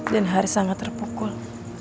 dan haris sangat terpukul